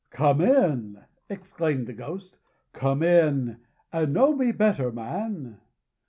"Come in!" exclaimed the Ghost "Come in! and know me better, man!"